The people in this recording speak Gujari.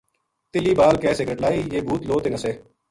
تِلی بال کے سگرٹ لائی یہ بھوت لو تے نسے۔